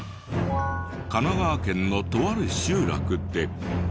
神奈川県のとある集落で。